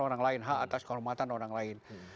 orang lain hak atas kehormatan orang lain